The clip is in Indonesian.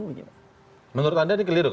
menurut anda ini keliru